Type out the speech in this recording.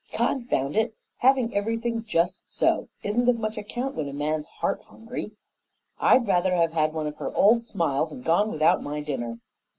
Confound it! Having everything just so isn't of much account when a man's heart hungry. I'd rather have had one of her old smiles and gone without my dinner.